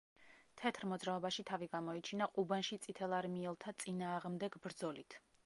თეთრ მოძრაობაში თავი გამოიჩინა ყუბანში წითელარმიელთა წინააღმდეგ ბრძოლით.